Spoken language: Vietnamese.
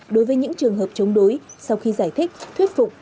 đối với những trường hợp chống đối sau khi giải thích thuyết phục